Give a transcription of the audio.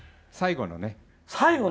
最後のね。